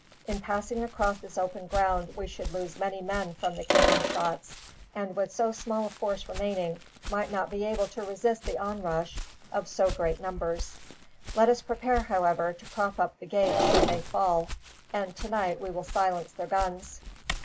"In passing across this open ground we should lose many men from the cannon shots, and with so small a force remaining, might not be able to resist the onrush of so great numbers. Let us prepare, however, to prop up the gates should they fall, and tonight we will silence their guns."